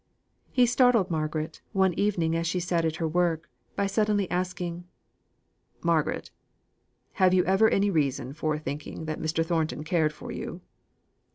He startled Margaret, one evening as she sate at her work, by suddenly asking: "Margaret! had you ever any reason for thinking that Mr. Thornton cared for you?"